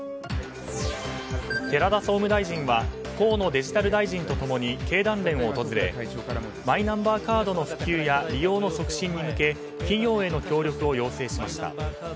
寺田総務大臣は河野デジタル大臣とともに経団連を訪れマイナンバーカードの普及や利用の促進に向け企業への協力を要請しました。